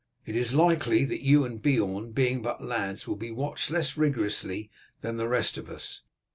It is likely that you and Beorn, being but lads, will be watched less rigorously than the rest of us.